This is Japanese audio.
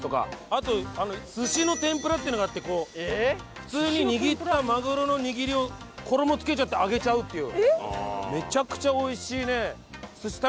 あと寿司の天ぷらっていうのがあって普通に握ったマグロの握りを衣つけちゃって揚げちゃうっていう。